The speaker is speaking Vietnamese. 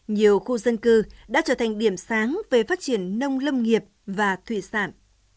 nhiều khu dân cư đã trở thành điểm sáng về phát triển nông lâm nghiệp và thủy sản